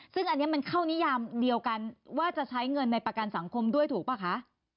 ซึ่งอันนี้มันเข้านิยามเดียวกันว่าจะใช้เงินในประกันสังคมด้วยถูกป่ะคะ